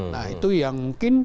nah itu yang mungkin